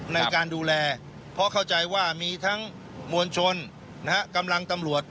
ในการดูแลเพราะเข้าใจว่ามีทั้งมวลชนกำลังตำรวจ